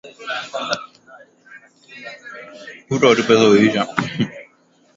Tafuta watu pesa huisha